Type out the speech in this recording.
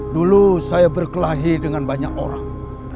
dulu saya berkelahi dengan banyak orang